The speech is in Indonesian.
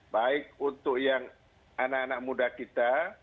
baik untuk yang anak anak muda kita